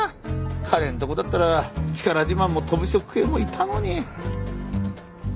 彼のとこだったら力自慢もとび職系もいたのに。